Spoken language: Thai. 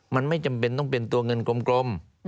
มันไม่จำเป็นต้องเป็นตัวเงินกลม